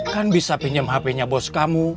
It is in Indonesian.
kan bisa pinjem handphonenya bos kamu